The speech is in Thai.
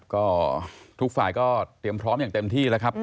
ก็ทุกฝ่ายก็เตรียมพร้อมอย่างเต็มที่แล้วครับ